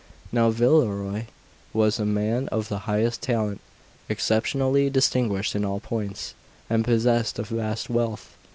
Now Villerois was a man of the highest talent, exceptionally distinguished in all points, and possessed of vast wealth.